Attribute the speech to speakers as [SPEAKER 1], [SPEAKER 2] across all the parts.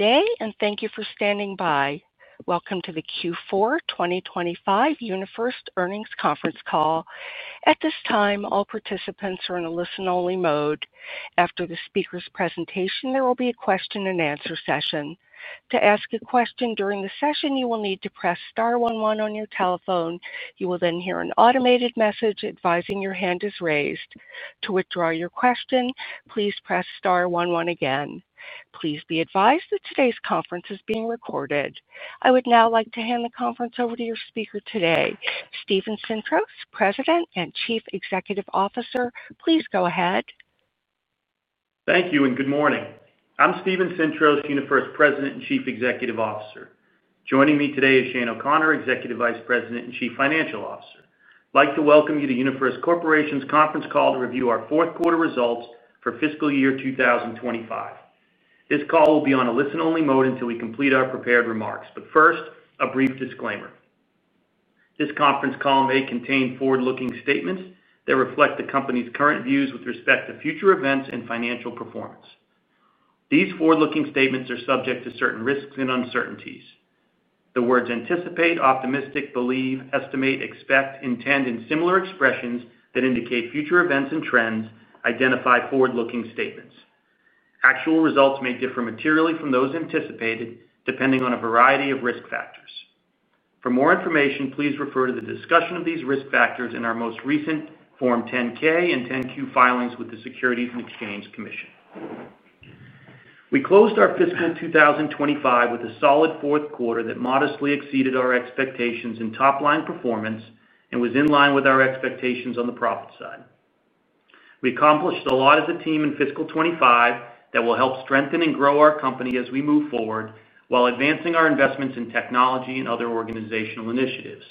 [SPEAKER 1] Today, and thank you for standing by. Welcome to the Q4 2025 UniFirst earnings conference call. At this time, all participants are in a listen-only mode. After the speaker's presentation, there will be a question and answer session. To ask a question during the session, you will need to press star one-one on your telephone. You will then hear an automated message advising your hand is raised. To withdraw your question, please press star one-one again. Please be advised that today's conference is being recorded. I would now like to hand the conference over to your speaker today, Steven Sintros, President and Chief Executive Officer. Please go ahead.
[SPEAKER 2] Thank you and good morning. I'm Steven Sintros, UniFirst President and Chief Executive Officer. Joining me today is Shane O'Connor, Executive Vice President and Chief Financial Officer. I'd like to welcome you to UniFirst Corporation's conference call to review our fourth quarter results for fiscal year 2025. This call will be on a listen-only mode until we complete our prepared remarks. First, a brief disclaimer. This conference call may contain forward-looking statements that reflect the company's current views with respect to future events and financial performance. These forward-looking statements are subject to certain risks and uncertainties. The words anticipate, optimistic, believe, estimate, expect, intend, and similar expressions that indicate future events and trends identify forward-looking statements. Actual results may differ materially from those anticipated depending on a variety of risk factors. For more information, please refer to the discussion of these risk factors in our most recent Form 10-K and 10-Q filings with the Securities and Exchange Commission. We closed our fiscal 2025 with a solid fourth quarter that modestly exceeded our expectations in top-line performance and was in line with our expectations on the profit side. We accomplished a lot as a team in fiscal 2025 that will help strengthen and grow our company as we move forward while advancing our investments in technology and other organizational initiatives.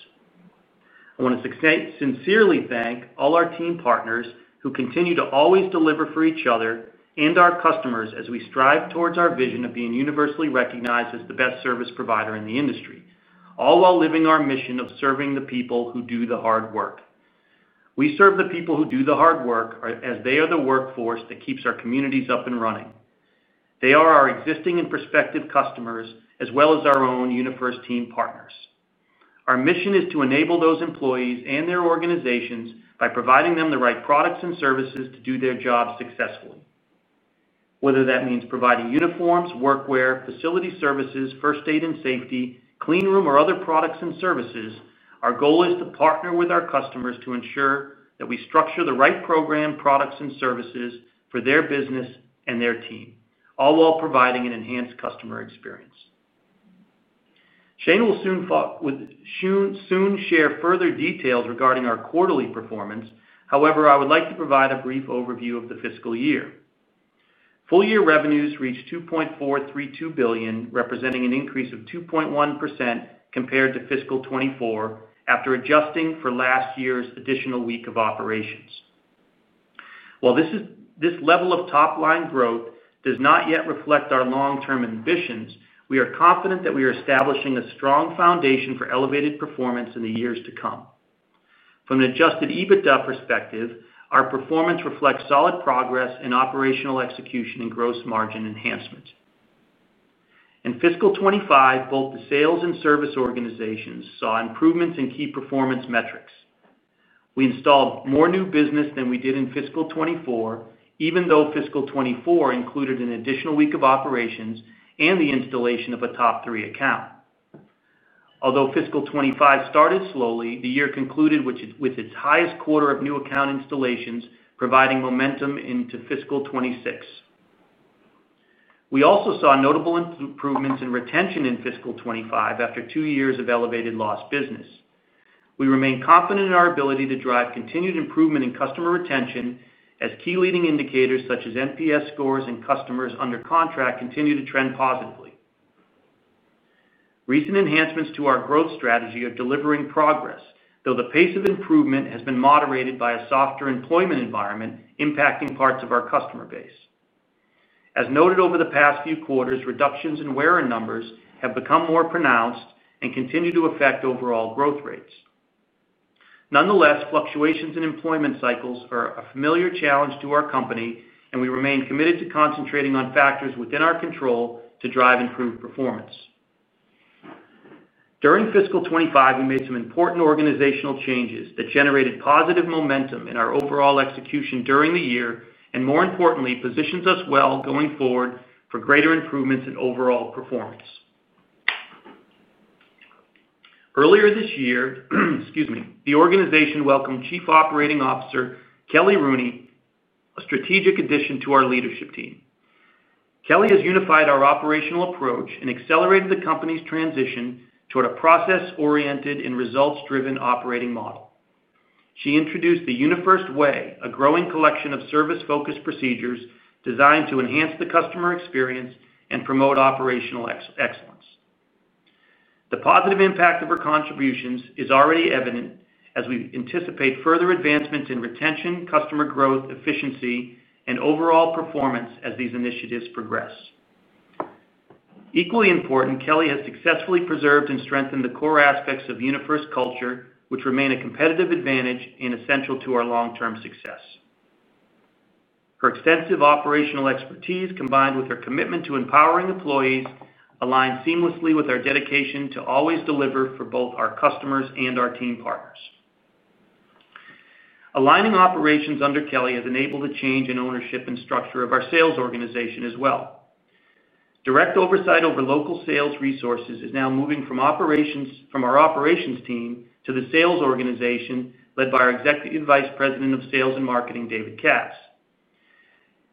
[SPEAKER 2] I want to sincerely thank all our team partners who continue to always deliver for each other and our customers as we strive towards our vision of being universally recognized as the best service provider in the industry, all while living our mission of serving the people who do the hard work. We serve the people who do the hard work as they are the workforce that keeps our communities up and running. They are our existing and prospective customers, as well as our own UniFirst team partners. Our mission is to enable those employees and their organizations by providing them the right products and services to do their jobs successfully. Whether that means providing uniforms, workwear, facility services, First Aid and Safety, cleanroom, or other products and services, our goal is to partner with our customers to ensure that we structure the right program, products, and services for their business and their team, all while providing an enhanced customer experience. Shane will soon share further details regarding our quarterly performance. However, I would like to provide a brief overview of the fiscal year. Full-year revenues reached $2.432 billion, representing an increase of 2.1% compared to fiscal 2024 after adjusting for last year's additional week of operations. While this level of top-line growth does not yet reflect our long-term ambitions, we are confident that we are establishing a strong foundation for elevated performance in the years to come. From an adjusted EBITDA perspective, our performance reflects solid progress in operational execution and gross margin enhancement. In fiscal 2025, both the sales and service organizations saw improvements in key performance metrics. We installed more new business than we did in fiscal 2024, even though fiscal 2024 included an additional week of operations and the installation of a top three account. Although fiscal 2025 started slowly, the year concluded with its highest quarter of new account installations, providing momentum into fiscal 2026. We also saw notable improvements in retention in fiscal 2025 after two years of elevated lost business. We remain confident in our ability to drive continued improvement in customer retention as key leading indicators such as NPS scores and customers under contract continue to trend positively. Recent enhancements to our growth strategy are delivering progress, though the pace of improvement has been moderated by a softer employment environment impacting parts of our customer base. As noted over the past few quarters, reductions in wear-in numbers have become more pronounced and continue to affect overall growth rates. Nonetheless, fluctuations in employment cycles are a familiar challenge to our company, and we remain committed to concentrating on factors within our control to drive improved performance. During fiscal 2025, we made some important organizational changes that generated positive momentum in our overall execution during the year, and more importantly, positions us well going forward for greater improvements in overall performance. Earlier this year, the organization welcomed Chief Operating Officer Kelly Rooney, a strategic addition to our leadership team. Kelly has unified our operational approach and accelerated the company's transition toward a process-oriented and results-driven operating model. She introduced the UniFirst Way, a growing collection of service-focused procedures designed to enhance the customer experience and promote operational excellence. The positive impact of her contributions is already evident as we anticipate further advancements in retention, customer growth, efficiency, and overall performance as these initiatives progress. Equally important, Kelly has successfully preserved and strengthened the core aspects of UniFirst culture, which remain a competitive advantage and essential to our long-term success. Her extensive operational expertise, combined with her commitment to empowering employees, aligns seamlessly with our dedication to always deliver for both our customers and our team partners. Aligning operations under Kelly has enabled a change in ownership and structure of our sales organization as well. Direct oversight over local sales resources is now moving from our operations team to the sales organization led by our Executive Vice President of Sales and Marketing, David Katz.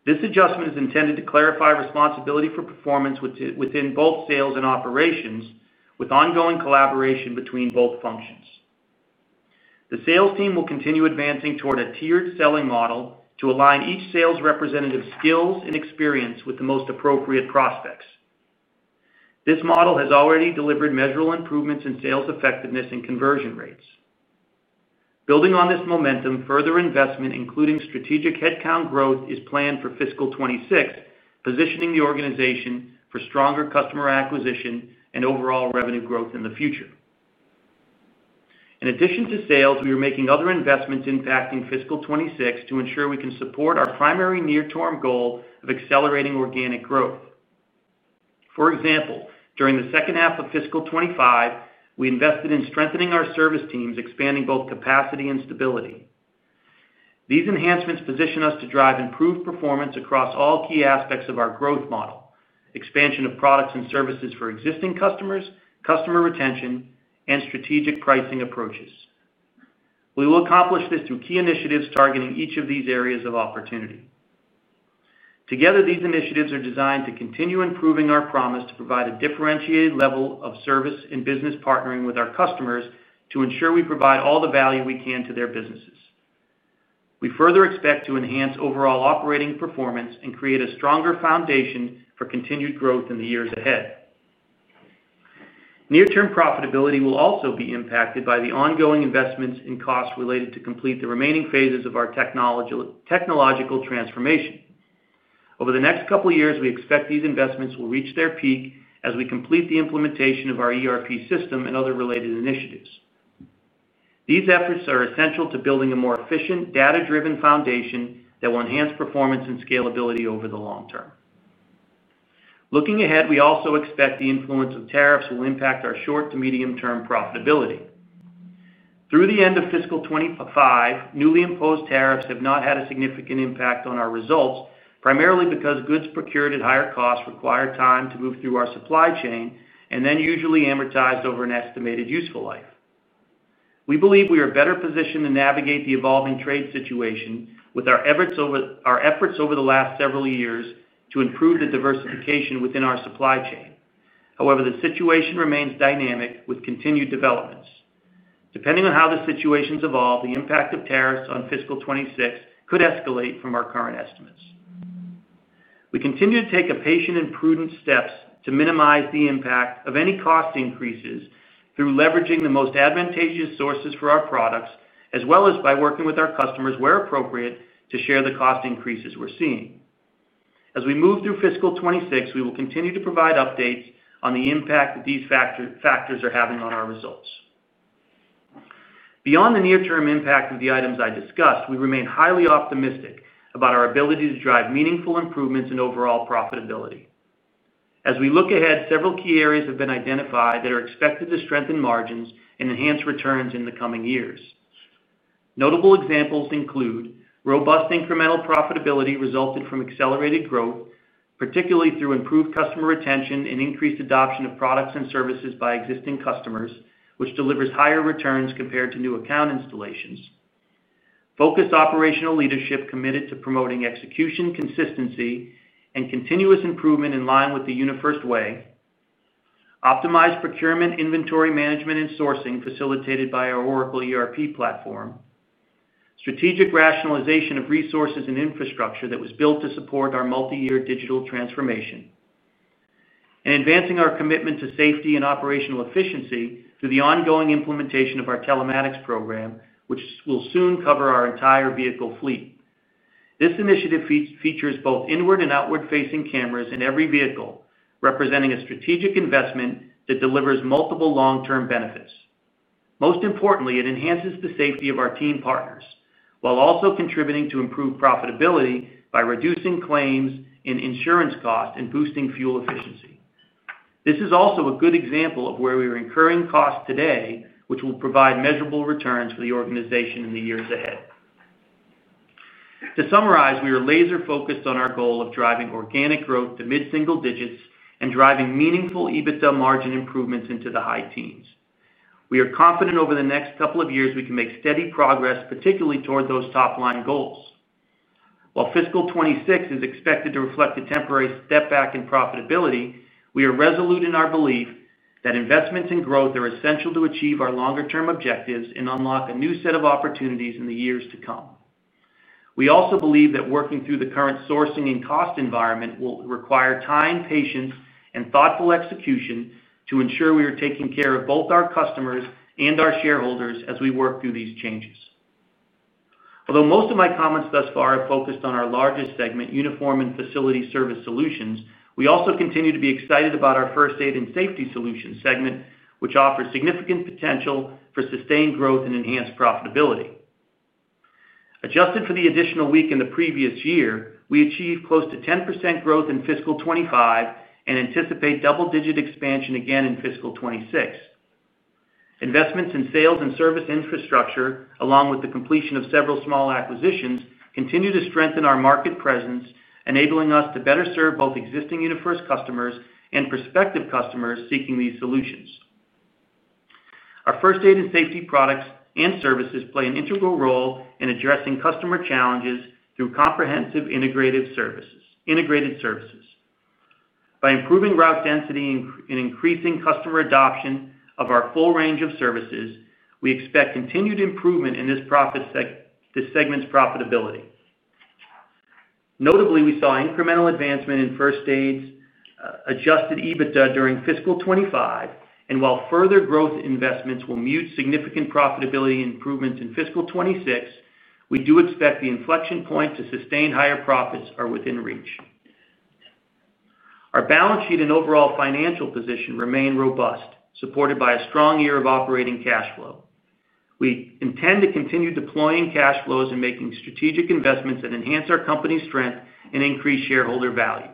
[SPEAKER 2] This adjustment is intended to clarify responsibility for performance within both sales and operations, with ongoing collaboration between both functions. The sales team will continue advancing toward a tiered selling model to align each sales representative's skills and experience with the most appropriate prospects. This model has already delivered measurable improvements in sales effectiveness and conversion rates. Building on this momentum, further investment, including strategic headcount growth, is planned for fiscal 2026, positioning the organization for stronger customer acquisition and overall revenue growth in the future. In addition to sales, we are making other investments impacting fiscal 2026 to ensure we can support our primary near-term goal of accelerating organic growth. For example, during the second half of fiscal 2025, we invested in strengthening our service teams, expanding both capacity and stability. These enhancements position us to drive improved performance across all key aspects of our growth model: expansion of products and services for existing customers, customer retention, and strategic pricing approaches. We will accomplish this through key initiatives targeting each of these areas of opportunity. Together, these initiatives are designed to continue improving our promise to provide a differentiated level of service and business partnering with our customers to ensure we provide all the value we can to their businesses. We further expect to enhance overall operating performance and create a stronger foundation for continued growth in the years ahead. Near-term profitability will also be impacted by the ongoing investments in costs related to complete the remaining phases of our technological transformation. Over the next couple of years, we expect these investments will reach their peak as we complete the implementation of our ERP system and other related initiatives. These efforts are essential to building a more efficient, data-driven foundation that will enhance performance and scalability over the long term. Looking ahead, we also expect the influence of tariffs will impact our short to medium-term profitability. Through the end of fiscal 2025, newly imposed tariffs have not had a significant impact on our results, primarily because goods procured at higher costs require time to move through our supply chain and then usually are amortized over an estimated useful life. We believe we are better positioned to navigate the evolving trade situation with our efforts over the last several years to improve the diversification within our supply chain. However, the situation remains dynamic with continued developments. Depending on how the situations evolve, the impact of tariffs on fiscal 2026 could escalate from our current estimates. We continue to take patient and prudent steps to minimize the impact of any cost increases through leveraging the most advantageous sources for our products, as well as by working with our customers where appropriate to share the cost increases we're seeing. As we move through fiscal 2026, we will continue to provide updates on the impact that these factors are having on our results. Beyond the near-term impact of the items I discussed, we remain highly optimistic about our ability to drive meaningful improvements in overall profitability. As we look ahead, several key areas have been identified that are expected to strengthen margins and enhance returns in the coming years. Notable examples include robust incremental profitability resulted from accelerated growth, particularly through improved customer retention and increased adoption of products and services by existing customers, which delivers higher returns compared to new account installations. Focused operational leadership committed to promoting execution consistency and continuous improvement in line with the UniFirst Way, optimized procurement, inventory management, and sourcing facilitated by our Oracle ERP platform, strategic rationalization of resources and infrastructure that was built to support our multi-year digital transformation, and advancing our commitment to safety and operational efficiency through the ongoing implementation of our telematics program, which will soon cover our entire vehicle fleet. This initiative features both inward and outward-facing cameras in every vehicle, representing a strategic investment that delivers multiple long-term benefits. Most importantly, it enhances the safety of our team partners while also contributing to improved profitability by reducing claims and insurance costs and boosting fuel efficiency. This is also a good example of where we are incurring costs today, which will provide measurable returns for the organization in the years ahead. To summarize, we are laser-focused on our goal of driving organic growth to mid-single digits and driving meaningful EBITDA margin improvements into the high teens. We are confident over the next couple of years we can make steady progress, particularly toward those top-line goals. While fiscal 2026 is expected to reflect a temporary step back in profitability, we are resolute in our belief that investments in growth are essential to achieve our longer-term objectives and unlock a new set of opportunities in the years to come. We also believe that working through the current sourcing and cost environment will require time, patience, and thoughtful execution to ensure we are taking care of both our customers and our shareholders as we work through these changes. Although most of my comments thus far have focused on our largest segment, Uniform and Facility Service Solutions, we also continue to be excited about our First Aid and Safety Solutions segment, which offers significant potential for sustained growth and enhanced profitability. Adjusted for the additional week in the previous year, we achieved close to 10% growth in fiscal 2025 and anticipate double-digit expansion again in fiscal 2026. Investments in sales and service infrastructure, along with the completion of several small acquisitions, continue to strengthen our market presence, enabling us to better serve both existing UniFirst customers and prospective customers seeking these solutions. Our First Aid and Safety Solutions play an integral role in addressing customer challenges through comprehensive integrated services. By improving route density and increasing customer adoption of our full range of services, we expect continued improvement in this segment's profitability. Notably, we saw incremental advancement in First Aid's adjusted EBITDA during fiscal 2025, and while further growth investments will mute significant profitability improvements in fiscal 2026, we do expect the inflection point to sustain higher profits are within reach. Our balance sheet and overall financial position remain robust, supported by a strong year of operating cash flow. We intend to continue deploying cash flows and making strategic investments that enhance our company's strength and increase shareholder value.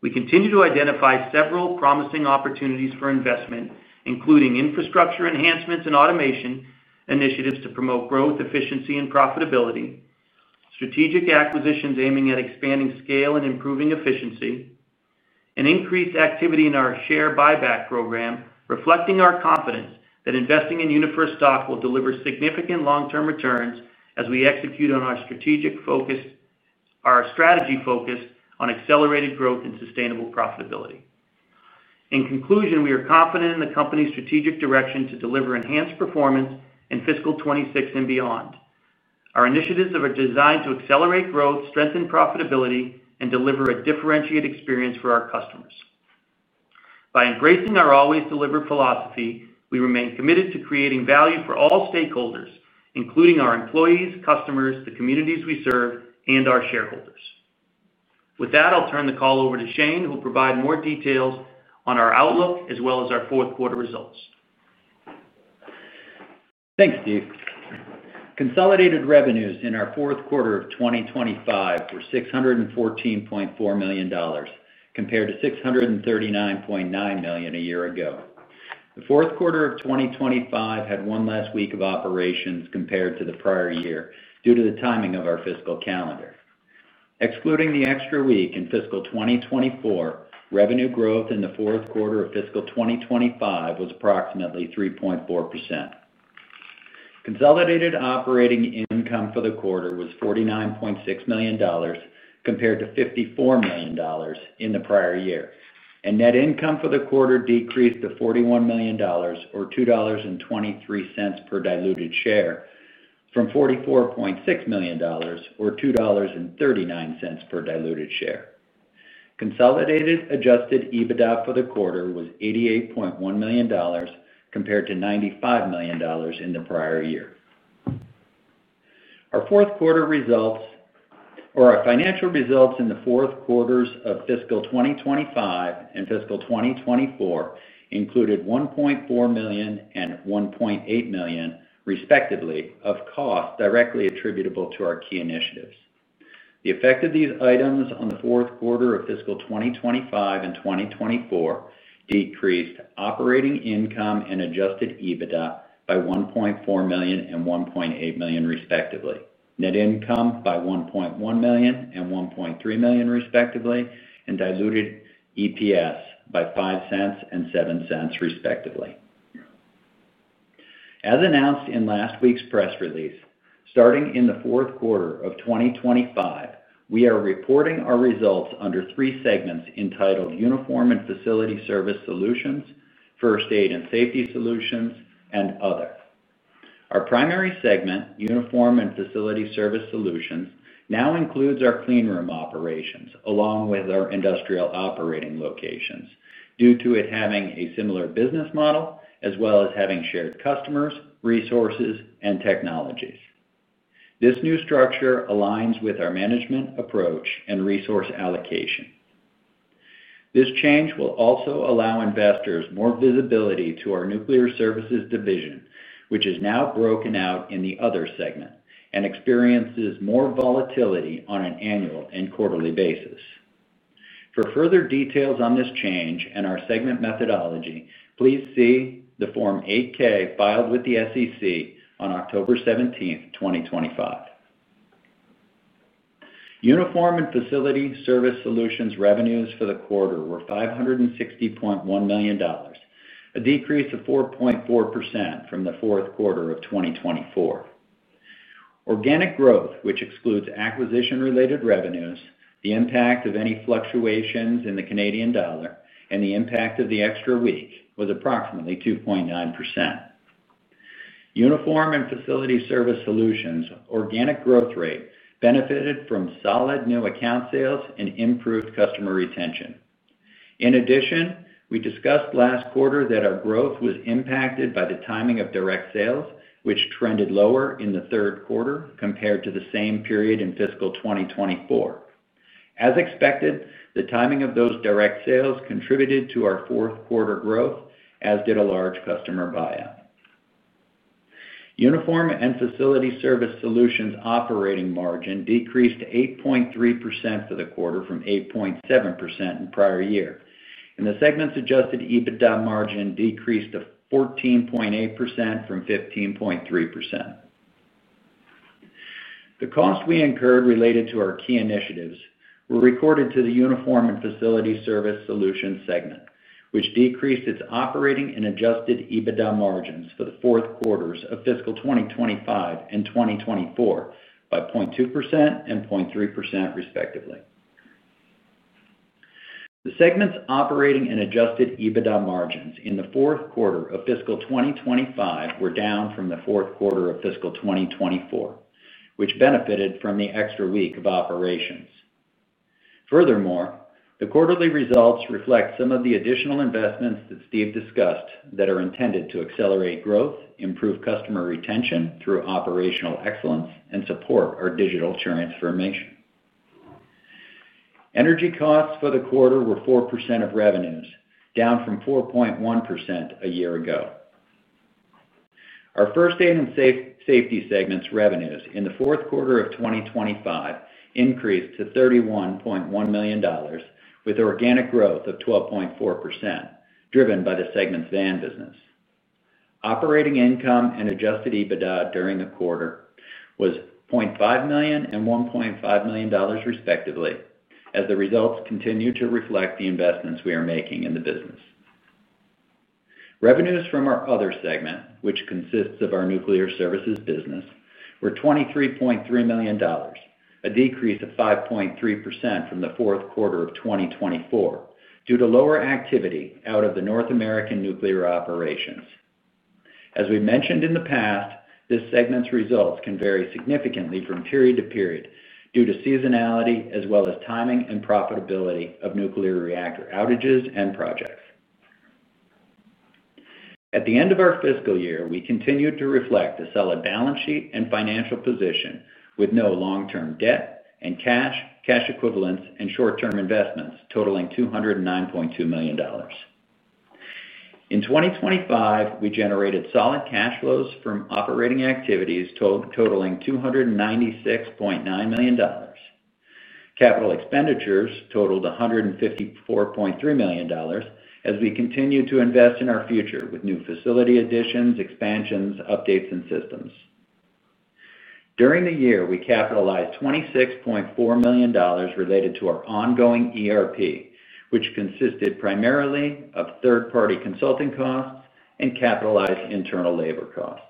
[SPEAKER 2] We continue to identify several promising opportunities for investment, including infrastructure enhancements and automation initiatives to promote growth, efficiency, and profitability, strategic acquisitions aiming at expanding scale and improving efficiency, and increased activity in our share buyback program, reflecting our confidence that investing in UniFirst stock will deliver significant long-term returns as we execute on our strategy focused on accelerated growth and sustainable profitability. In conclusion, we are confident in the company's strategic direction to deliver enhanced performance in fiscal 2026 and beyond. Our initiatives are designed to accelerate growth, strengthen profitability, and deliver a differentiated experience for our customers. By embracing our always deliver philosophy, we remain committed to creating value for all stakeholders, including our employees, customers, the communities we serve, and our shareholders. With that, I'll turn the call over to Shane, who will provide more details on our outlook as well as our fourth quarter results.
[SPEAKER 3] Thanks, Steve. Consolidated revenues in our fourth quarter of 2025 were $614.4 million compared to $639.9 million a year ago. The fourth quarter of 2025 had one less week of operations compared to the prior year due to the timing of our fiscal calendar. Excluding the extra week in fiscal 2024, revenue growth in the fourth quarter of fiscal 2025 was approximately 3.4%. Consolidated operating income for the quarter was $49.6 million compared to $54 million in the prior year, and net income for the quarter decreased to $41 million or $2.23 per diluted share from $44.6 million or $2.39 per diluted share. Consolidated adjusted EBITDA for the quarter was $88.1 million compared to $95 million in the prior year. Our financial results in the fourth quarters of fiscal 2025 and fiscal 2024 included $1.4 million and $1.8 million, respectively, of costs directly attributable to our key initiatives. The effect of these items on the fourth quarter of fiscal 2025 and 2024 decreased operating income and adjusted EBITDA by $1.4 million and $1.8 million, respectively, net income by $1.1 million and $1.3 million, respectively, and diluted EPS by $0.05 and $0.07, respectively. As announced in last week's press release, starting in the fourth quarter of 2025, we are reporting our results under three segments entitled Uniform and Facility Service Solutions, First Aid and Safety Solutions, and Other. Our primary segment, Uniform and Facility Service Solutions, now includes our cleanroom operations along with our industrial operating locations due to it having a similar business model as well as having shared customers, resources, and technologies. This new structure aligns with our management approach and resource allocation. This change will also allow investors more visibility to our Nuclear Services Division, which is now broken out in the Other segment and experiences more volatility on an annual and quarterly basis. For further details on this change and our segment methodology, please see the Form 8-K filed with the SEC on October 17, 2025. Uniform and Facility Service Solutions revenues for the quarter were $560.1 million, a decrease of 4.4% from the fourth quarter of 2024. Organic growth, which excludes acquisition-related revenues, the impact of any fluctuations in the Canadian dollar, and the impact of the extra week was approximately 2.9%. Uniform and Facility Service Solutions' organic growth rate benefited from solid new account sales and improved customer retention. In addition, we discussed last quarter that our growth was impacted by the timing of direct sales, which trended lower in the third quarter compared to the same period in fiscal 2024. As expected, the timing of those direct sales contributed to our fourth quarter growth, as did a large customer buyout. Uniform and Facility Service Solutions' operating margin decreased to 8.3% for the quarter from 8.7% in the prior year, and the segment's adjusted EBITDA margin decreased to 14.8% from 15.3%. The costs we incurred related to our key initiatives were recorded to the Uniform and Facility Service Solutions segment, which decreased its operating and adjusted EBITDA margins for the fourth quarters of fiscal 2025 and 2024 by 0.2% and 0.3%, respectively. The segment's operating and adjusted EBITDA margins in the fourth quarter of fiscal 2025 were down from the fourth quarter of fiscal 2024, which benefited from the extra week of operations. Furthermore, the quarterly results reflect some of the additional investments that Steve discussed that are intended to accelerate growth, improve customer retention through operational excellence, and support our digital transformation. Energy costs for the quarter were 4% of revenues, down from 4.1% a year ago. Our First Aid and Safety Solutions segment's revenues in the fourth quarter of 2025 increased to $31.1 million, with organic growth of 12.4%, driven by the segment's van business. Operating income and adjusted EBITDA during the quarter were $0.5 million and $1.5 million, respectively, as the results continue to reflect the investments we are making in the business. Revenues from our Other segment, which consists of our Nuclear Services business, were $23.3 million, a decrease of 5.3% from the fourth quarter of 2024 due to lower activity out of the North American nuclear operations. As we mentioned in the past, this segment's results can vary significantly from period to period due to seasonality as well as timing and profitability of nuclear reactor outages and projects. At the end of our fiscal year, we continued to reflect a solid balance sheet and financial position with no long-term debt and cash equivalents and short-term investments totaling $209.2 million. In 2025, we generated solid cash flows from operating activities totaling $296.9 million. Capital expenditures totaled $154.3 million as we continued to invest in our future with new facility additions, expansions, updates, and systems. During the year, we capitalized $26.4 million related to our ongoing ERP, which consisted primarily of third-party consulting costs and capitalized internal labor costs.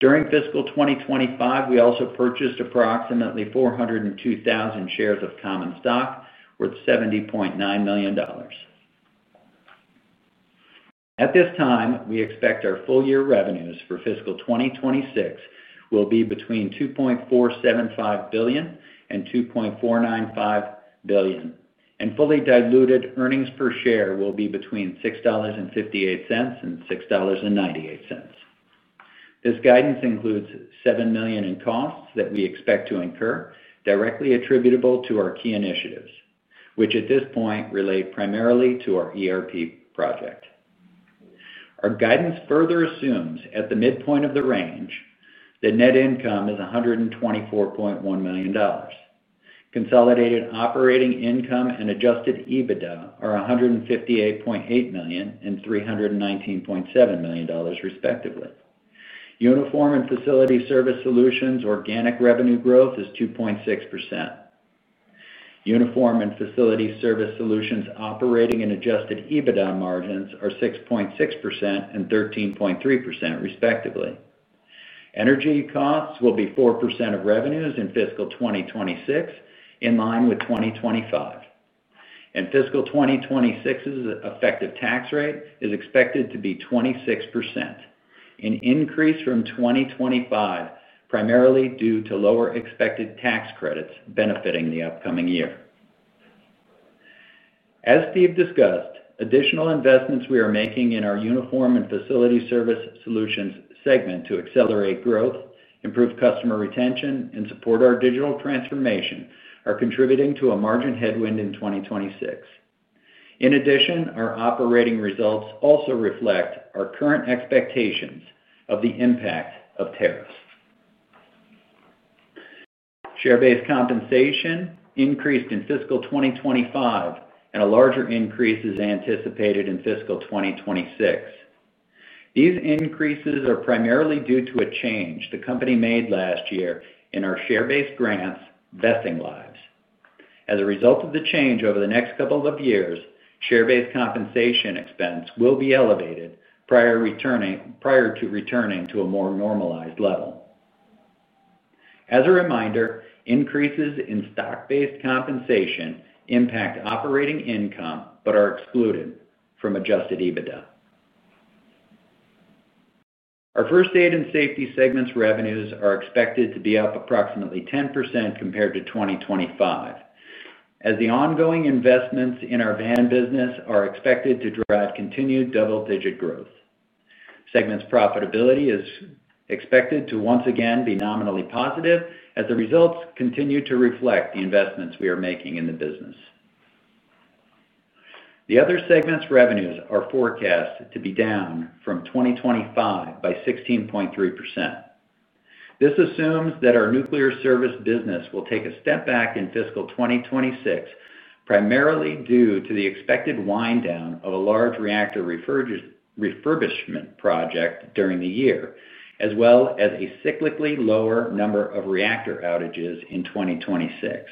[SPEAKER 3] During fiscal 2025, we also purchased approximately 402,000 shares of common stock worth $70.9 million. At this time, we expect our full-year revenues for fiscal 2026 will be between $2.475 billion and $2.495 billion, and fully diluted earnings per share will be between $6.58 and $6.98. This guidance includes $7 million in costs that we expect to incur directly attributable to our key initiatives, which at this point relate primarily to our ERP project. Our guidance further assumes at the midpoint of the range that net income is $124.1 million. Consolidated operating income and adjusted EBITDA are $158.8 million and $319.7 million, respectively. Uniform and Facility Service Solutions' organic revenue growth is 2.6%. Uniform and Facility Service Solutions' operating and adjusted EBITDA margins are 6.6% and 13.3%, respectively. Energy costs will be 4% of revenues in fiscal 2026 in line with 2025, and fiscal 2026's effective tax rate is expected to be 26%, an increase from 2025 primarily due to lower expected tax credits benefiting the upcoming year. As Steve discussed, additional investments we are making in our Uniform and Facility Service Solutions segment to accelerate growth, improve customer retention, and support our digital transformation are contributing to a margin headwind in 2026. In addition, our operating results also reflect our current expectations of the impact of tariff impacts. Share-based compensation increased in fiscal 2025, and a larger increase is anticipated in fiscal 2026. These increases are primarily due to a change the company made last year in our share-based grants vesting lives. As a result of the change over the next couple of years, share-based compensation expense will be elevated prior to returning to a more normalized level. As a reminder, increases in share-based compensation impact operating income but are excluded from adjusted EBITDA. Our First Aid and Safety Solutions segment's revenues are expected to be up approximately 10% compared to 2025, as the ongoing investments in our van business are expected to drive continued double-digit growth. The segment's profitability is expected to once again be nominally positive as the results continue to reflect the investments we are making in the business. The other segment's revenues are forecast to be down from 2025 by 16.3%. This assumes that our Nuclear Services business will take a step back in fiscal 2026, primarily due to the expected wind-down of a large reactor refurbishment project during the year, as well as a cyclically lower number of reactor outages in 2026. The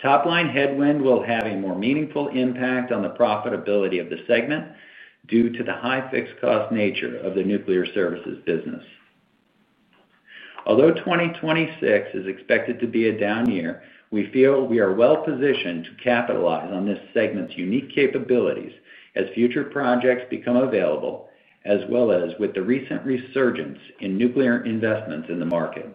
[SPEAKER 3] top-line headwind will have a more meaningful impact on the profitability of the segment due to the high fixed cost nature of the Nuclear Services business. Although 2026 is expected to be a down year, we feel we are well-positioned to capitalize on this segment's unique capabilities as future projects become available, as well as with the recent resurgence in nuclear investments in the market.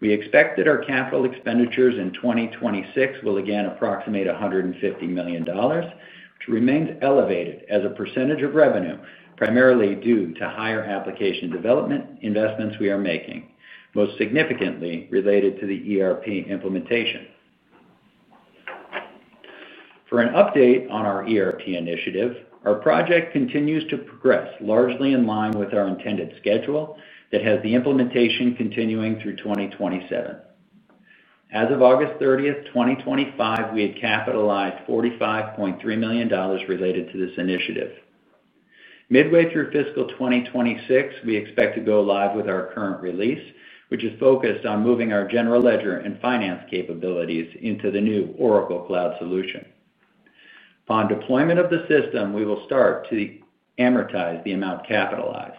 [SPEAKER 3] We expect that our capital expenditures in 2026 will again approximate $150 million, which remains elevated as a percentage of revenue, primarily due to higher application development investments we are making, most significantly related to the ERP implementation. For an update on our ERP initiative, our project continues to progress largely in line with our intended schedule that has the implementation continuing through 2027. As of August 30, 2025, we had capitalized $45.3 million related to this initiative. Midway through fiscal 2026, we expect to go live with our current release, which is focused on moving our general ledger and finance capabilities into the new Oracle Cloud solution. Upon deployment of the system, we will start to amortize the amount capitalized.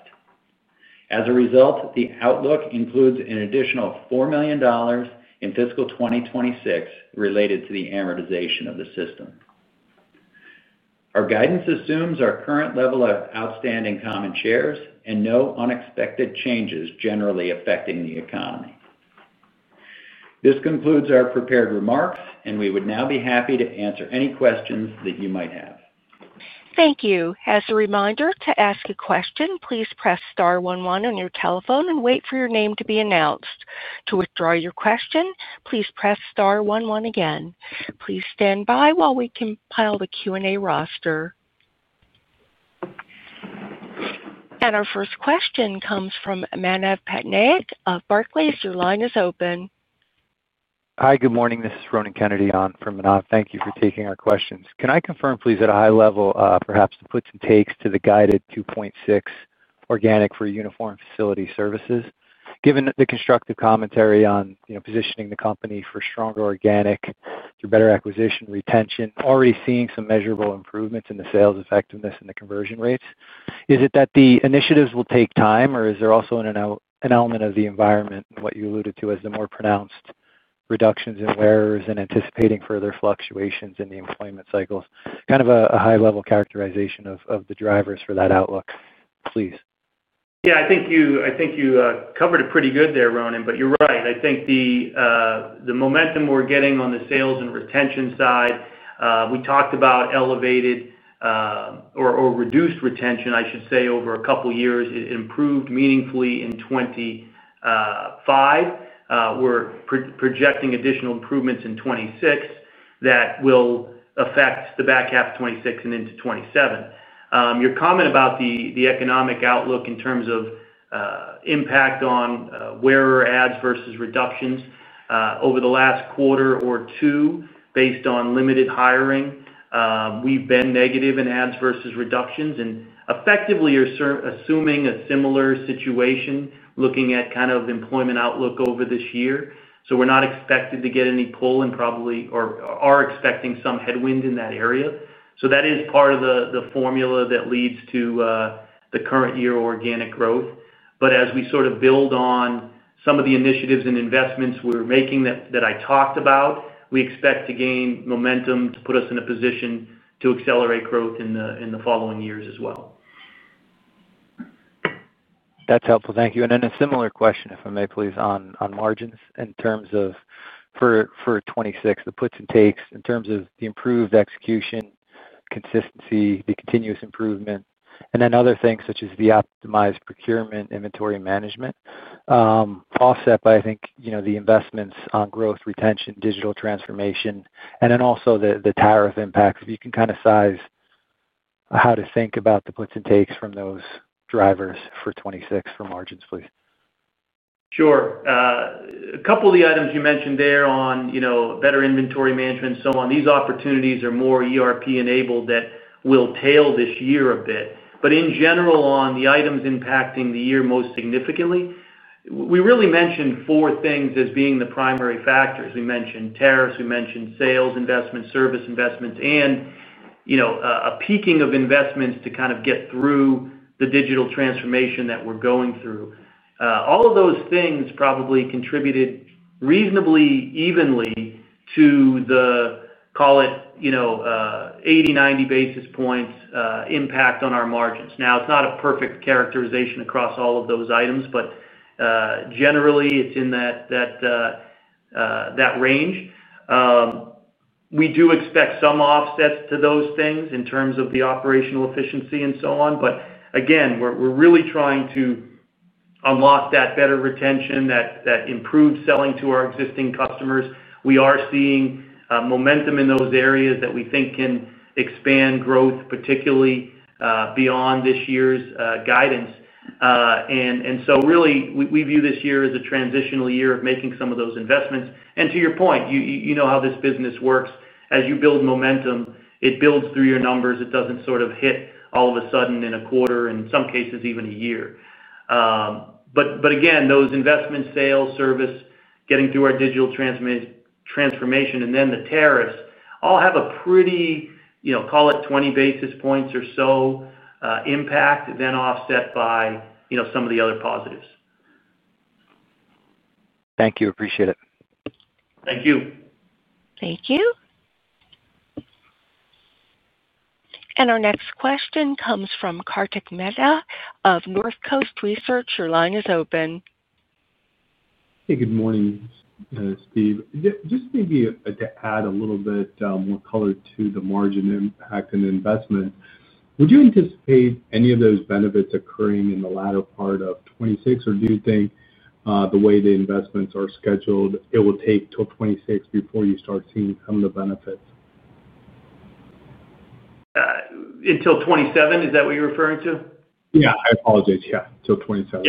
[SPEAKER 3] As a result, the outlook includes an additional $4 million in fiscal 2026 related to the amortization of the system. Our guidance assumes our current level of outstanding common shares and no unexpected changes generally affecting the economy. This concludes our prepared remarks, and we would now be happy to answer any questions that you might have.
[SPEAKER 1] Thank you. As a reminder, to ask a question, please press star one-one on your telephone and wait for your name to be announced. To withdraw your question, please press star one-one again. Please stand by while we compile the Q&A roster. Our first question comes from Manav Patnaik of Barclays. Your line is open.
[SPEAKER 4] Hi, good morning. This is Ronan Kennedy on from Manav. Thank you for taking our questions. Can I confirm, please, at a high level, perhaps the puts and takes to the guided 2.6% organic for Uniform and Facility Services? Given the constructive commentary on positioning the company for stronger organic through better acquisition retention, already seeing some measurable improvements in the sales effectiveness and the conversion rates, is it that the initiatives will take time, or is there also an element of the environment and what you alluded to as the more pronounced reductions in wearers and anticipating further fluctuations in the employment cycles? Kind of a high-level characterization of the drivers for that outlook, please.
[SPEAKER 2] Yeah, I think you covered it pretty good there, Ronan, but you're right. I think the momentum we're getting on the sales and retention side, we talked about elevated or reduced retention, I should say, over a couple of years. It improved meaningfully in 2025. We're projecting additional improvements in 2026 that will affect the back half of 2026 and into 2027. Your comment about the economic outlook in terms of impact on wearer ads versus reductions over the last quarter or two based on limited hiring, we've been negative in ads versus reductions and effectively are assuming a similar situation looking at kind of employment outlook over this year. We're not expected to get any pull and probably are expecting some headwind in that area. That is part of the formula that leads to the current year organic growth. As we sort of build on some of the initiatives and investments we're making that I talked about, we expect to gain momentum to put us in a position to accelerate growth in the following years as well.
[SPEAKER 4] That's helpful. Thank you. A similar question, if I may, please, on margins in terms of for 2026, the puts and takes in terms of the improved execution, consistency, the continuous improvement, and then other things such as the optimized procurement, inventory management, offset by, I think, you know, the investments on growth, retention, digital transformation, and then also the tariff impacts. If you can kind of size how to think about the puts and takes from those drivers for 2026 for margins, please.
[SPEAKER 2] Sure. A couple of the items you mentioned there on, you know, better inventory management and so on, these opportunities are more ERP-enabled that will tail this year a bit. In general, on the items impacting the year most significantly, we really mentioned four things as being the primary factors. We mentioned tariffs, we mentioned sales investments, service investments, and, you know, a peaking of investments to kind of get through the digital transformation that we're going through. All of those things probably contributed reasonably evenly to the, call it, 80, 90 basis points impact on our margins. Now, it's not a perfect characterization across all of those items, but generally, it's in that range. We do expect some offsets to those things in terms of the operational efficiency and so on. Again, we're really trying to unlock that better retention, that improved selling to our existing customers. We are seeing momentum in those areas that we think can expand growth, particularly beyond this year's guidance. We view this year as a transitional year of making some of those investments. To your point, you know how this business works. As you build momentum, it builds through your numbers. It doesn't sort of hit all of a sudden in a quarter, in some cases even a year. Again, those investments, sales, service, getting through our digital transformation, and then the tariffs all have a pretty, you know, call it 20 basis points or so impact, then offset by, you know, some of the other positives.
[SPEAKER 4] Thank you. Appreciate it.
[SPEAKER 2] Thank you.
[SPEAKER 1] Thank you. Our next question comes from Kartik Mehta of Northcoast Research. Your line is open.
[SPEAKER 5] Hey, good morning, Steve. Just maybe to add a little bit more color to the margin impact and investment, would you anticipate any of those benefits occurring in the latter part of 2026, or do you think the way the investments are scheduled, it will take till 2026 before you start seeing some of the benefits?
[SPEAKER 2] Until 2027, is that what you're referring to?
[SPEAKER 5] Yeah, I apologize. Yeah, till 2027.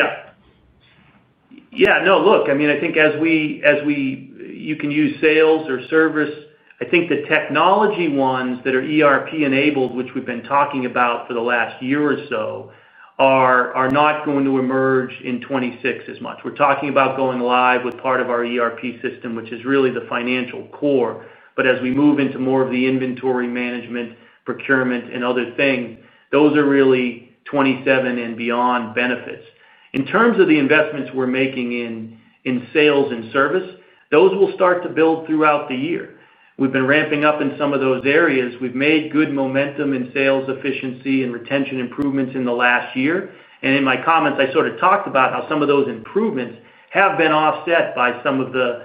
[SPEAKER 2] Yeah, no, look, I mean, I think as we, you can use sales or service. I think the technology ones that are ERP-enabled, which we've been talking about for the last year or so, are not going to emerge in 2026 as much. We're talking about going live with part of our ERP system, which is really the financial core. As we move into more of the inventory management, procurement, and other things, those are really 2027 and beyond benefits. In terms of the investments we're making in sales and service, those will start to build throughout the year. We've been ramping up in some of those areas. We've made good momentum in sales efficiency and retention improvements in the last year. In my comments, I sort of talked about how some of those improvements have been offset by some of the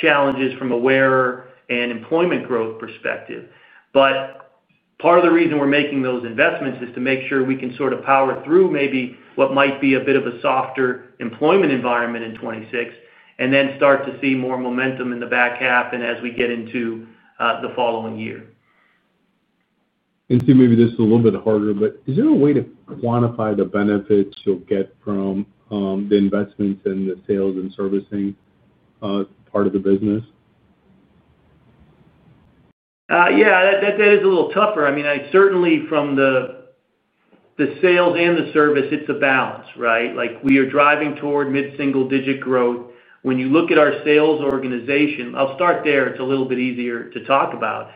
[SPEAKER 2] challenges from a wearer and employment growth perspective. Part of the reason we're making those investments is to make sure we can sort of power through maybe what might be a bit of a softer employment environment in 2026 and then start to see more momentum in the back half and as we get into the following year.
[SPEAKER 5] Steve, maybe this is a little bit harder, but is there a way to quantify the benefits you'll get from the investments in the sales and servicing part of the business?
[SPEAKER 2] Yeah, that is a little tougher. I mean, certainly from the sales and the service, it's a balance, right? Like we are driving toward mid-single-digit growth. When you look at our sales organization, I'll start there. It's a little bit easier to talk about.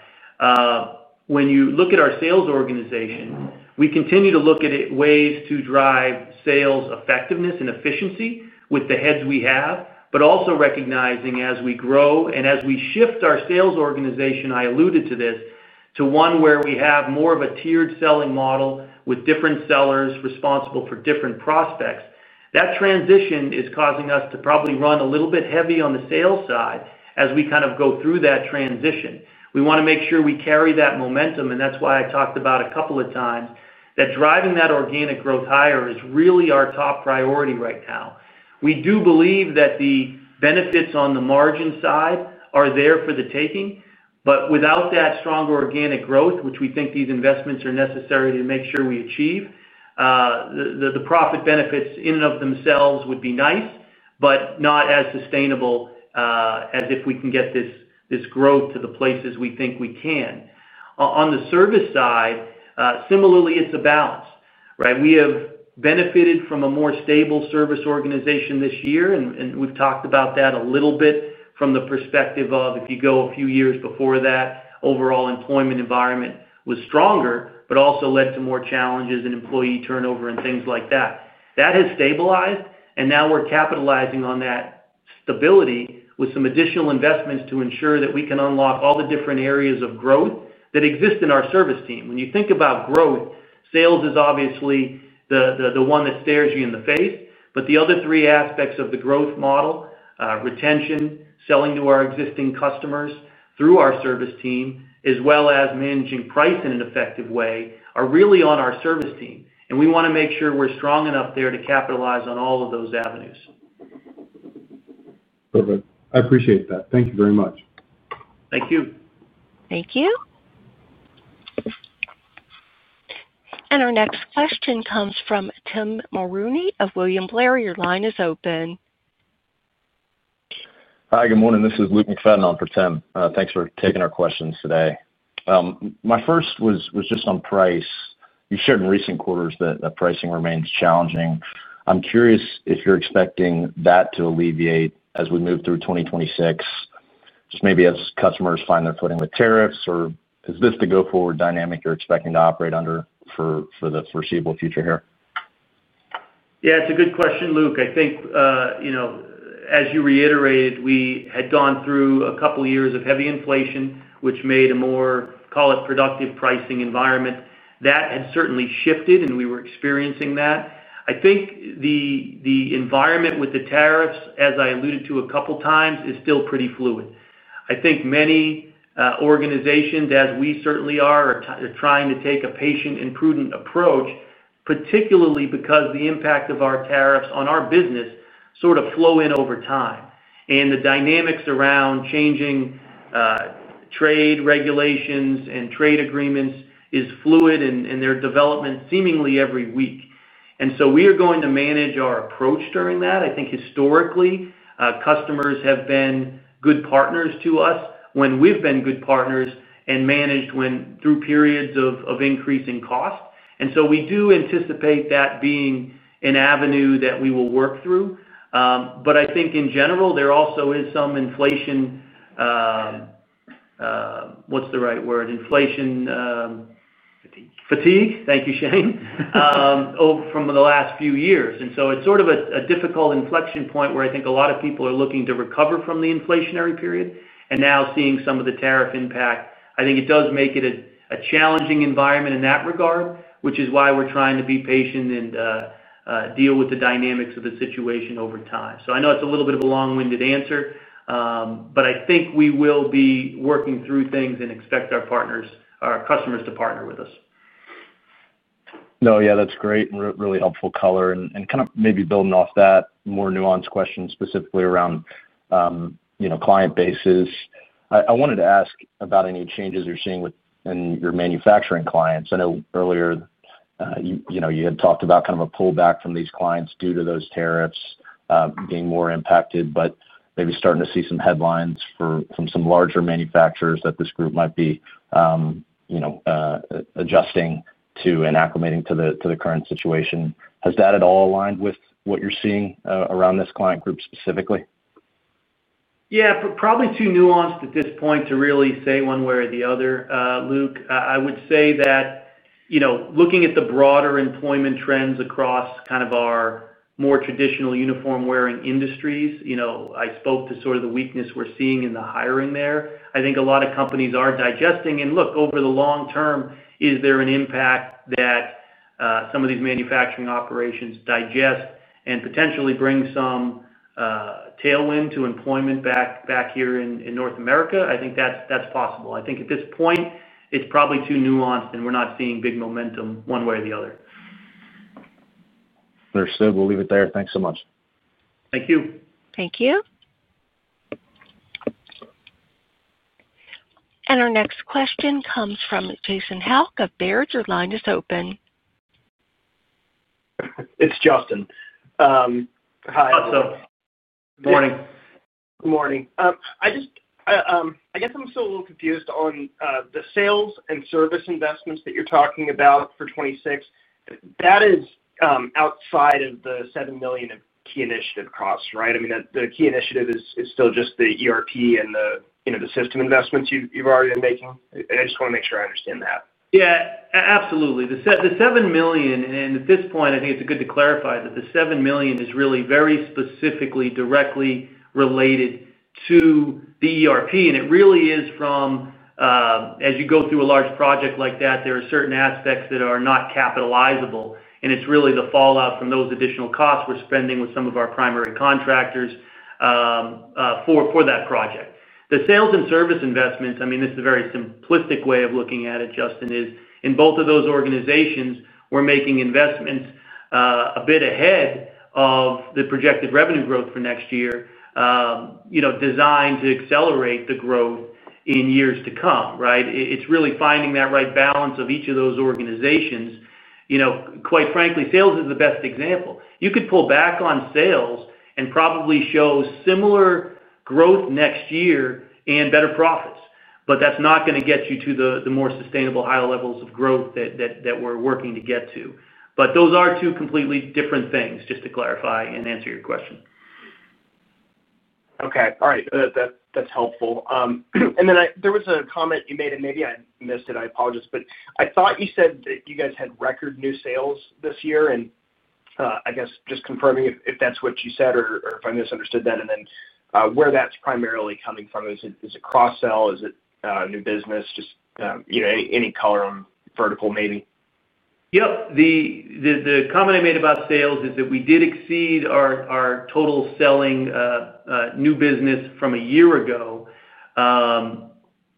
[SPEAKER 2] When you look at our sales organization, we continue to look at ways to drive sales effectiveness and efficiency with the heads we have, but also recognizing as we grow and as we shift our sales organization, I alluded to this, to one where we have more of a tiered selling model with different sellers responsible for different prospects. That transition is causing us to probably run a little bit heavy on the sales side as we kind of go through that transition. We want to make sure we carry that momentum, and that's why I talked about a couple of times that driving that organic growth higher is really our top priority right now. We do believe that the benefits on the margin side are there for the taking, but without that strong organic growth, which we think these investments are necessary to make sure we achieve, the profit benefits in and of themselves would be nice, but not as sustainable as if we can get this growth to the places we think we can. On the service side, similarly, it's a balance, right? We have benefited from a more stable service organization this year, and we've talked about that a little bit from the perspective of if you go a few years before that, overall employment environment was stronger, but also led to more challenges and employee turnover and things like that. That has stabilized, and now we're capitalizing on that stability with some additional investments to ensure that we can unlock all the different areas of growth that exist in our service team. When you think about growth, sales is obviously the one that stares you in the face, but the other three aspects of the growth model, retention, selling to our existing customers through our service team, as well as managing price in an effective way, are really on our service team. We want to make sure we're strong enough there to capitalize on all of those avenues.
[SPEAKER 5] Perfect. I appreciate that. Thank you very much.
[SPEAKER 2] Thank you.
[SPEAKER 1] Thank you. Our next question comes from Tim Mulrooney of William Blair. Your line is open.
[SPEAKER 6] Hi, good morning. This is Luke McFadden on for Tim. Thanks for taking our questions today. My first was just on price. You shared in recent quarters that pricing remains challenging. I'm curious if you're expecting that to alleviate as we move through 2026, just maybe as customers find their footing with tariffs, or is this the go-forward dynamic you're expecting to operate under for the foreseeable future here?
[SPEAKER 2] Yeah, it's a good question, Luke. I think, you know, as you reiterated, we had gone through a couple of years of heavy inflation, which made a more, call it, productive pricing environment. That had certainly shifted, and we were experiencing that. I think the environment with the tariffs, as I alluded to a couple of times, is still pretty fluid. I think many organizations, as we certainly are, are trying to take a patient and prudent approach, particularly because the impact of our tariffs on our business sort of flow in over time. The dynamics around changing trade regulations and trade agreements are fluid, and they're development seemingly every week. We are going to manage our approach during that. I think historically, customers have been good partners to us when we've been good partners and managed through periods of increasing cost. We do anticipate that being an avenue that we will work through. I think in general, there also is some inflation—what's the right word? Inflation?
[SPEAKER 3] Fatigue. Thank you, Shane, over from the last few years. It is sort of a difficult inflection point where I think a lot of people are looking to recover from the inflationary period. Now seeing some of the tariff impacts, I think it does make it a challenging environment in that regard, which is why we're trying to be patient and deal with the dynamics of the situation over time. I know it's a little bit of a long-winded answer, but I think we will be working through things and expect our partners, our customers to partner with us.
[SPEAKER 6] That's great and really helpful color. Kind of maybe building off that, more nuanced questions specifically around client bases. I wanted to ask about any changes you're seeing within your manufacturing clients. I know earlier you had talked about kind of a pullback from these clients due to those tariffs being more impacted, but maybe starting to see some headlines from some larger manufacturers that this group might be adjusting to and acclimating to the current situation. Has that at all aligned with what you're seeing around this client group specifically?
[SPEAKER 2] Yeah, probably too nuanced at this point to really say one way or the other, Luke. I would say that, you know, looking at the broader employment trends across kind of our more traditional uniform wearing industries, I spoke to sort of the weakness we're seeing in the hiring there. I think a lot of companies are digesting. Over the long-term, is there an impact that some of these manufacturing operations digest and potentially bring some tailwind to employment back here in North America? I think that's possible. I think at this point, it's probably too nuanced and we're not seeing big momentum one way or the other.
[SPEAKER 6] Understood. We'll leave it there. Thanks so much.
[SPEAKER 2] Thank you.
[SPEAKER 1] Thank you. Our next question comes from Justin Hauke of Baird. Your line is open.
[SPEAKER 7] It's Justin.
[SPEAKER 2] Hi, how's it going?
[SPEAKER 7] Good morning. I guess I'm still a little confused on the sales and service investments that you're talking about for 2026. That is outside of the $7 million of key initiative costs, right? I mean, the key initiative is still just the ERP and the system investments you've already been making. I just want to make sure I understand that.
[SPEAKER 2] Yeah, absolutely. The $7 million, and at this point, I think it's good to clarify that the $7 million is really very specifically directly related to the ERP. It really is from, as you go through a large project like that, there are certain aspects that are not capitalizable. It's really the fallout from those additional costs we're spending with some of our primary contractors for that project. The sales and service investments, I mean, this is a very simplistic way of looking at it, Justin, is in both of those organizations, we're making investments a bit ahead of the projected revenue growth for next year, designed to accelerate the growth in years to come, right? It's really finding that right balance of each of those organizations. Quite frankly, sales is the best example. You could pull back on sales and probably show similar growth next year and better profits, but that's not going to get you to the more sustainable, higher levels of growth that we're working to get to. Those are two completely different things, just to clarify and answer your question.
[SPEAKER 7] Okay. All right. That's helpful. There was a comment you made, and maybe I missed it. I apologize. I thought you said that you guys had record new sales this year. I guess just confirming if that's what you said or if I misunderstood that, and where that's primarily coming from. Is it cross-sell? Is it new business? Just, you know, any color on vertical, maybe?
[SPEAKER 2] The comment I made about sales is that we did exceed our total selling new business from a year ago,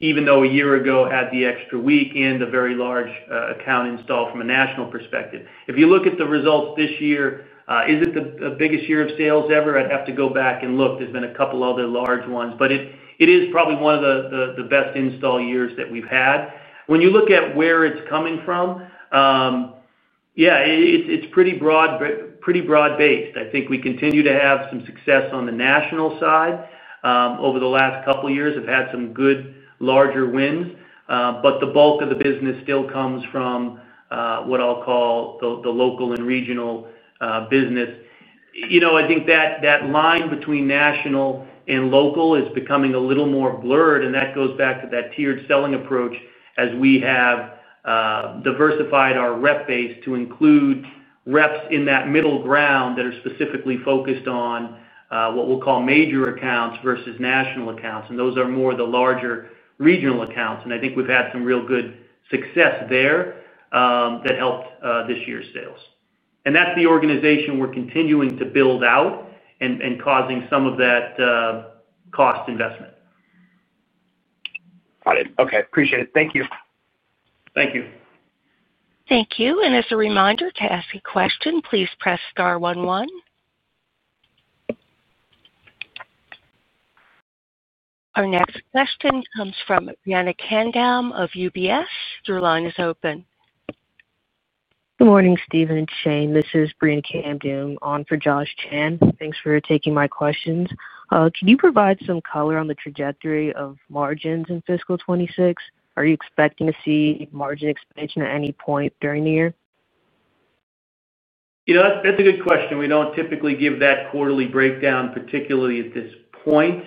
[SPEAKER 2] even though a year ago had the extra week and a very large account install from a national perspective. If you look at the results this year, is it the biggest year of sales ever? I'd have to go back and look. There's been a couple of other large ones, but it is probably one of the best install years that we've had. When you look at where it's coming from, yeah, it's pretty broad-based. I think we continue to have some success on the national side. Over the last couple of years, I've had some good larger wins, but the bulk of the business still comes from what I'll call the local and regional business. I think that line between national and local is becoming a little more blurred, and that goes back to that tiered selling approach as we have diversified our rep base to include reps in that middle ground that are specifically focused on what we'll call major accounts versus national accounts. Those are more the larger regional accounts. I think we've had some real good success there that helped this year's sales. That's the organization we're continuing to build out and causing some of that cost investment.
[SPEAKER 7] Got it. Okay. Appreciate it. Thank you.
[SPEAKER 2] Thank you.
[SPEAKER 1] Thank you. As a reminder, to ask a question, please press star one-one. Our next question comes from Brianna Kamdoum of UBS. Your line is open.
[SPEAKER 8] Good morning, Steven and Shane. This is Brianna Kamdoum on for Josh Chan. Thanks for taking my questions. Can you provide some color on the trajectory of margins in fiscal 2026? Are you expecting to see margin expansion at any point during the year?
[SPEAKER 2] You know, that's a good question. We don't typically give that quarterly breakdown, particularly at this point.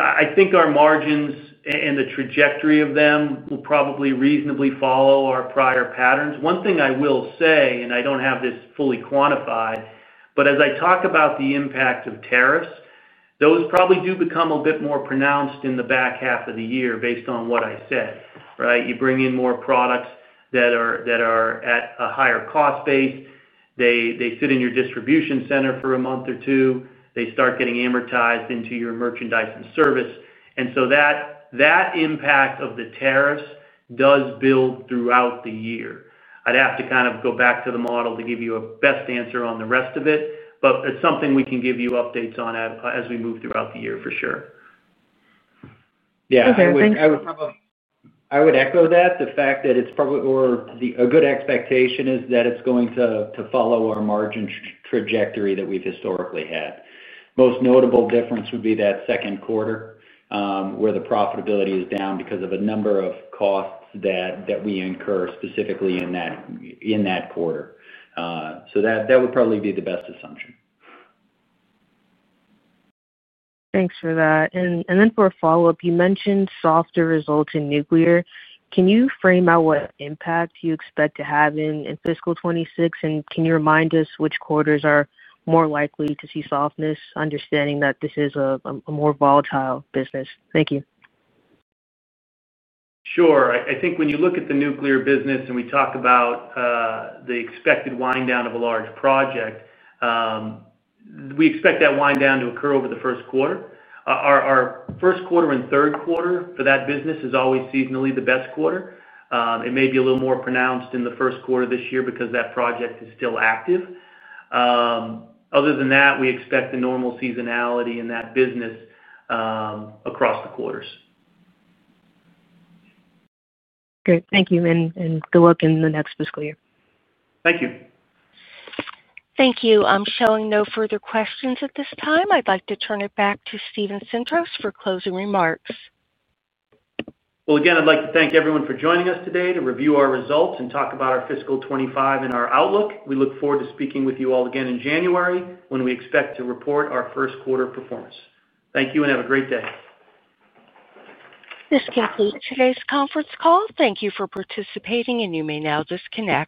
[SPEAKER 2] I think our margins and the trajectory of them will probably reasonably follow our prior patterns. One thing I will say, and I don't have this fully quantified, but as I talk about the impact of tariffs, those probably do become a bit more pronounced in the back half of the year based on what I said, right? You bring in more products that are at a higher cost base. They sit in your distribution center for a month or two. They start getting amortized into your merchandise and service, and that impact of the tariffs does build throughout the year. I'd have to kind of go back to the model to give you a best answer on the rest of it, but it's something we can give you updates on as we move throughout the year for sure.
[SPEAKER 8] Okay.
[SPEAKER 2] I would echo that. The fact that it's probably or a good expectation is that it's going to follow our margin trajectory that we've historically had. The most notable difference would be that second quarter, where the profitability is down because of a number of costs that we incur specifically in that quarter. That would probably be the best assumption.
[SPEAKER 8] Thanks for that. For a follow-up, you mentioned softer results in nuclear. Can you frame out what impact you expect to have in fiscal 2026, and can you remind us which quarters are more likely to see softness, understanding that this is a more volatile business? Thank you.
[SPEAKER 2] Sure. I think when you look at the nuclear business and we talk about the expected wind-down of a large project, we expect that wind-down to occur over the first quarter. Our first quarter and third quarter for that business is always seasonally the best quarter. It may be a little more pronounced in the first quarter this year because that project is still active. Other than that, we expect the normal seasonality in that business across the quarters.
[SPEAKER 8] Great. Thank you, and good luck in the next fiscal year.
[SPEAKER 2] Thank you.
[SPEAKER 1] Thank you. I'm showing no further questions at this time. I'd like to turn it back to Steven Sintros for closing remarks.
[SPEAKER 2] I'd like to thank everyone for joining us today to review our results and talk about our fiscal 2025 and our outlook. We look forward to speaking with you all again in January when we expect to report our first quarter performance. Thank you and have a great day.
[SPEAKER 1] This concludes today's conference call. Thank you for participating, and you may now disconnect.